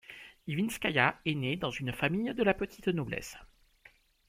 Ivinskaïa est née dans une famille de la petite noblesse.